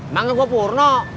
bangnya gua purno